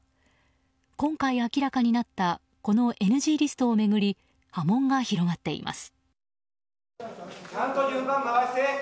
今回明らかになったこのＮＧリストを巡り波紋が広がっています。